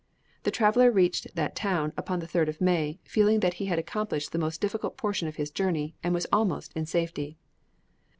The traveller reached that town upon the 3rd of May, feeling that he had accomplished the most difficult portion of his journey, and was almost in safety.